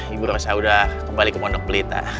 ibu rossa udah kembali ke monopleta